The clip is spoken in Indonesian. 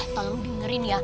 tolong dengerin ya